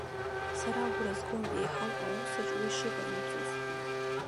Сара агәра згон еиҳау аусаҿ уи шыҟаимҵоз.